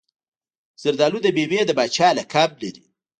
زردالو د میوې د پاچا لقب لري.